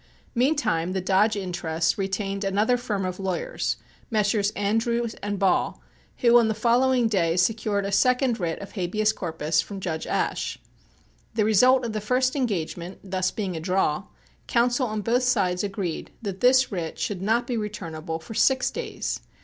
Meantime the Dodge interests retained another firm of lawyers, Messrs. Andrews and Ball, who, on the following day, secured a second writ of habeas corpus from Judge Ashe. The result of the first engagement thus being a draw, counsel on both sides agreed that this writ should not be returnable for six days.